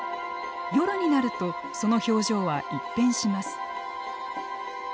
夜になるとその表情は一変します。